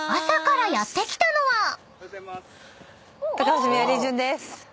［朝からやって来たのは］